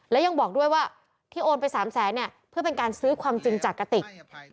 และยังบอกด้วยว่าที่โอนไป๓แสนเนี่ยเพื่อเป็นการซื้อความจริงจากกติก